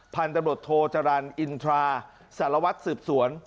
พันธุ์ตำรวจโทจรรย์อินทราสารวัตรสืบสวน